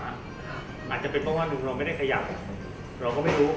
อาจจะเป็นเพราะว่าลุงเราไม่ได้ขยับเราก็ไม่รู้